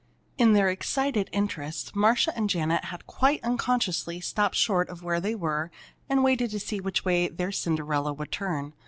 In their excited interest Marcia and Janet had, quite unconsciously, stopped short where they were and waited to see which way their Cinderella would turn.